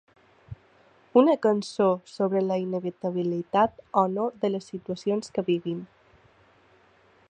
Una cançó sobre la inevitabilitat o no de les situacions que vivim.